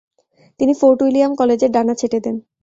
তিনি Fort William কলেজের ডানা ছেঁটে দেন।